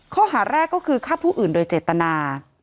ข้อหาแรกก็คือฆ่าผู้อื่นโดยเจตนา